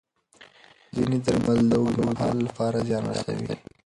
ځینې درمل د اوږد مهال لپاره زیان رسوي.